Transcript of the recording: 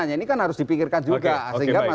ini kan harus dipikirkan juga